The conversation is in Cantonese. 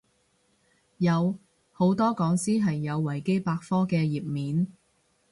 有，好多講師係有維基百科嘅頁面